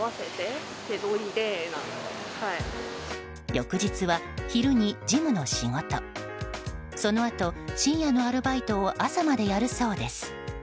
翌日は昼に事務の仕事そのあと深夜のアルバイトを朝までやるそうです。